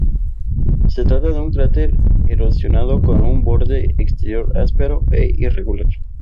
Se trata de un cráter erosionado con un borde exterior áspero e irregular.